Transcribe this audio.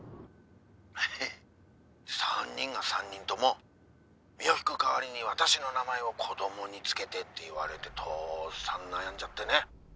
「ハハハッ３人が３人とも身を引く代わりに私の名前を子供に付けてって言われて父さん悩んじゃってね」